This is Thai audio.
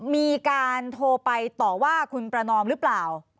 มีการโทรไปต่อว่าคุณประนอมหรือเปล่า